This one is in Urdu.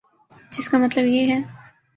جس کا مطلب یہ ہے۔